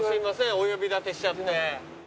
お呼び立てしちゃって。